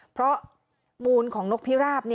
เพราะมูลของนกพิราบ